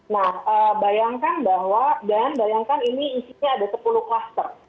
nah bayangkan bahwa dan bayangkan ini isinya ada sepuluh kluster